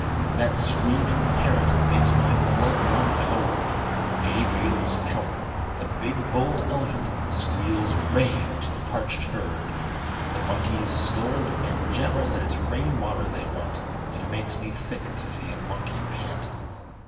That screaming parrot makes my blood run cold. Gabriel's trump! the big bull elephant Squeals "Rain!" to the parched herd. The monkeys scold, And jabber that it's rain water they want. (It makes me sick to see a monkey pant.)